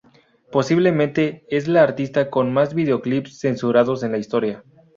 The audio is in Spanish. Posiblemente, es la artista con más videoclips censurados en la historia.